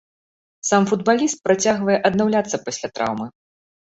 Сам футбаліст працягвае аднаўляцца пасля траўмы.